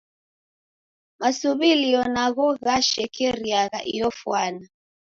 Masuw'irio nagho ghashekeriagha iyo fwana.